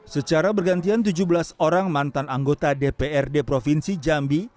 secara bergantian tujuh belas orang mantan anggota dprd provinsi jambi